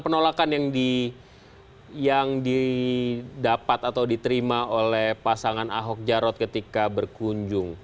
penolakan yang didapat atau diterima oleh pasangan ahok jarot ketika berkunjung